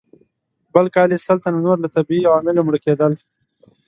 بل کال یې سل تنه نور له طبیعي عواملو مړه کېدل.